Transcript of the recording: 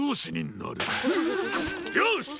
よし！